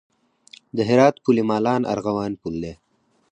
د هرات پل مالان ارغوان پل دی